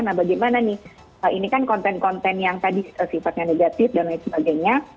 nah bagaimana nih ini kan konten konten yang tadi sifatnya negatif dan lain sebagainya